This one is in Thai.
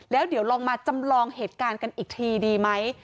แล้วเดี๋ยวลองมาจำลองเหตุการณ์กันอีกทีดีไหม